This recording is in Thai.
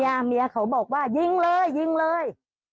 แล้วเมียเขาบอกว่ายิงเลยแล้วก็ยิงเลย